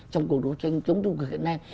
trong cuộc đấu tranh chống dung của hiện nay